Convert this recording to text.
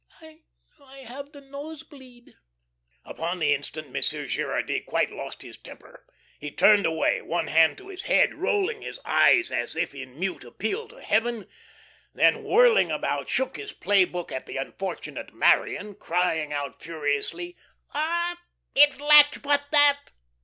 "I I have the nose bleed." Upon the instant Monsieur Gerardy quite lost his temper. He turned away, one hand to his head, rolling his eyes as if in mute appeal to heaven, then, whirling about, shook his play book at the unfortunate Marion, crying out furiously: "Ah, it lacked but that.